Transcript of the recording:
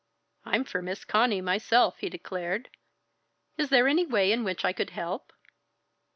"I'm for Miss Conny myself," he declared. "Is there any way in which I could help?"